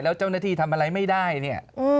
แล้วเจ้าหน้าที่ทำอะไรไม่ได้เนี่ย